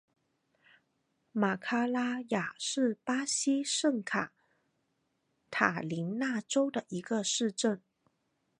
马拉卡雅是巴西圣卡塔琳娜州的一个市镇。